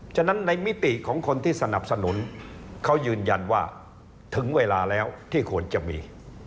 ฉะนั้นในมิติของคนที่สนับสนุนเขายืนยันว่าถึงเวลาแล้วที่ควรจะมี